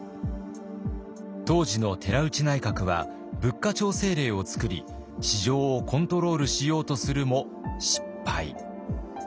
当時の寺内内閣は物価調整令を作り市場をコントロールしようとするも失敗。